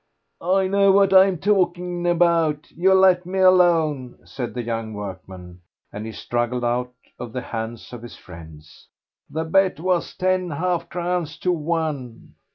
"I know what I'm talking about; you let me alone," said the young workman, and he struggled out of the hands of his friends. "The bet was ten half crowns to one."